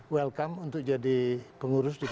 welcome untuk jadi pengurus